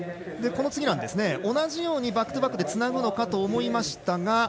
この次、同じようにバックトゥバックでつなぐのかと思いましたが。